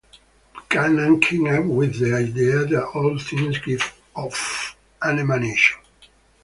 Buchanan came up with the idea that all things give off an emanation.